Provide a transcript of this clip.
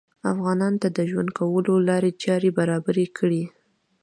افغانانو ته د ژوند کولو لارې چارې برابرې کړې